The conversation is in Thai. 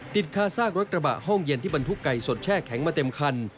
ติดคาซากรถกระบะห้องเย็นที่บรรทุกไก่สดแช่แข็งมาเต็มคัน